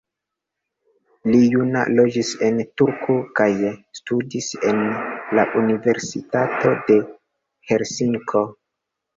Li juna loĝis en Turku kaj studis en la Universitato de Helsinko.